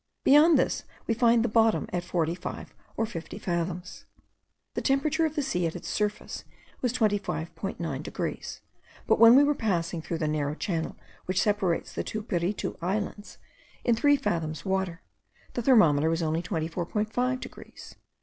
Beyond this we find the bottom at forty five or fifty fathoms. The temperature of the sea at its surface was 25.9 degrees; but when we were passing through the narrow channel which separates the two Piritu Islands, in three fathoms water, the thermometer was only 24.5 degrees.